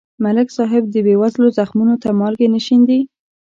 ملک صاحب د بېوزلو زخمونو ته مالګې نه شیندي.